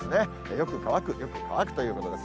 よく乾く、よく乾くということです。